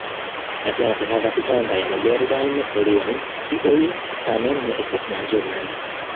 La planto havas grandajn, verdajn foliojn, kiuj tamen ne estas manĝeblaj.